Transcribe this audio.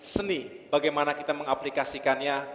seni bagaimana kita mengaplikasikannya